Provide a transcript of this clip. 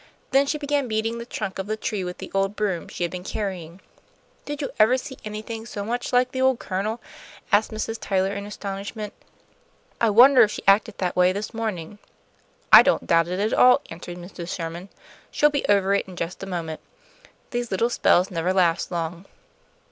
Then she began beating the trunk of the tree with the old broom she had been carrying. "Did you ever see anything so much like the old Colonel?" said Mrs. Tyler, in astonishment. "I wonder if she acted that way this morning." "I don't doubt it at all," answered Mrs. Sherman. "She'll be over it in just a moment. These little spells never last long."